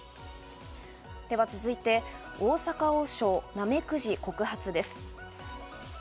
では続いて、大阪王将ナメクジ告発です。